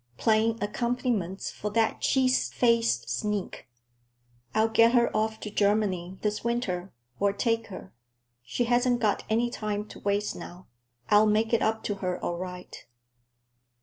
Playing accompaniments for that cheese faced sneak! I'll get her off to Germany this winter, or take her. She hasn't got any time to waste now. I'll make it up to her, all right."